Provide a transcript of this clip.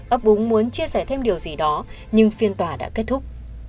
ấp búng muốn chia sẻ thêm điều gì đó nhưng phiên tòa đã kết thúc